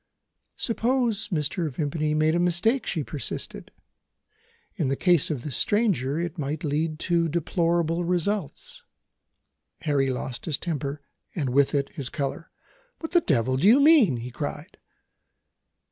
"Suppose Mr. Vimpany made a mistake," she persisted. "In the case of this stranger, it might lead to deplorable results." Lord Harry lost his temper, and with it his colour. "What the devil do you mean?" he cried.